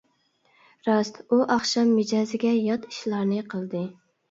راست، ئۇ ئاخشام مىجەزىگە يات ئىشلارنى قىلدى.